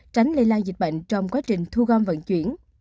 tránh lây lan dịch bệnh trong quá trình thu gom vận chuyển